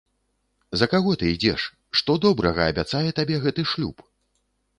За каго ты ідзеш, што добрага абяцае табе гэты шлюб?